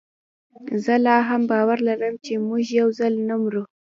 زه لا هم باور لرم چي موږ یوځل نه مرو